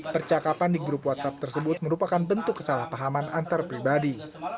percakapan di grup whatsapp tersebut merupakan bentuk kesalahpahaman antar pribadi